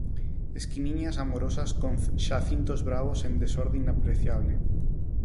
Esquiniñas amorosas con xacintos bravos en desorde inapreciable.